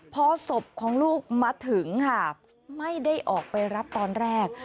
พอศพของลูกมาถึงค่ะไม่ได้ออกไปรับตอนแรก